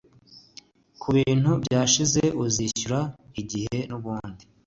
kubintu byashize uzishyura igihe nubundi